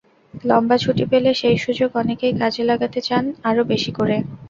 লম্বা ছুটি পেলে সেই সুযোগ অনেকেই কাজে লাগাতে চান আরও বেশি করে।